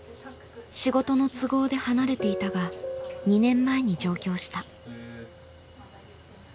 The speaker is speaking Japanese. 仕事の都合で離れていたが２年前に上京した。